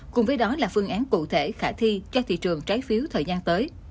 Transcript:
cùng với đó là phương án cụ thể khả thi cho thị trường trái phiếu thời gian tới